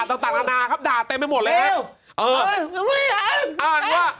ออกแบบมีด่าครับด่าต่างด่าเต็มไปหมดเลยครับ